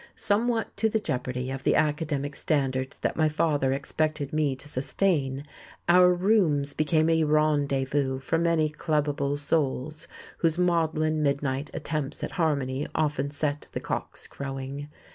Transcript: Somewhat to the jeopardy of the academic standard that my father expected me to sustain, our rooms became a rendezvous for many clubable souls whose maudlin, midnight attempts at harmony often set the cocks crowing.